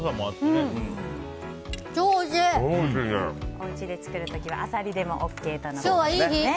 おうちで作る時はアサリでもＯＫということです。